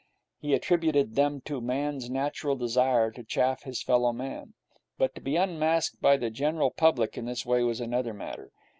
He attributed them to man's natural desire to chaff his fellow man. But to be unmasked by the general public in this way was another matter.